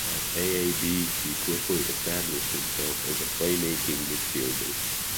At AaB, he quickly established himself as a playmaking midfielder.